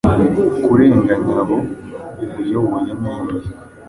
kurenganya abo uyoboye n’ibindi.